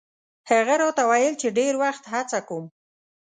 هغه راته ویل چې ډېر وخت هڅه کوم.